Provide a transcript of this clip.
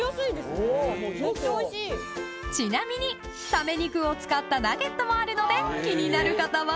［ちなみにサメ肉を使ったナゲットもあるので気になる方はぜひ！］